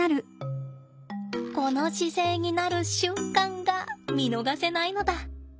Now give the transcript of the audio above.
この姿勢になる瞬間が見逃せないのだ。